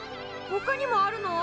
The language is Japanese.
ほかにもあるの？